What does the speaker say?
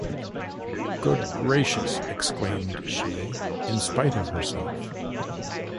“Good gracious!” exclaimed she, in spite of herself.